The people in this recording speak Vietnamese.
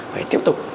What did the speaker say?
phải tiếp tục